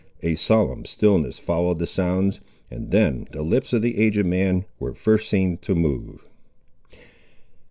A solemn stillness followed the sounds, and then the lips of the aged man were first seen to move.